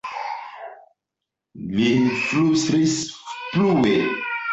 li flustris plue.